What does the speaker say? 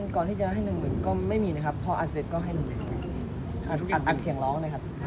ก่อนที่จะให้หนึ่งหมื่นก็ไม่มีนะครับพออัดเสร็จก็ให้๑อัดเสียงร้องนะครับ